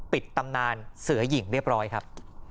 ตำนานเสือหญิงเรียบร้อยครับ